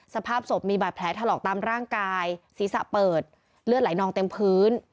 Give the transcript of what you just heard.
สภาพศพมีบาดแผลถลอกตามร่างกายศีรษะเปิดเลือดไหลนองเต็มพื้น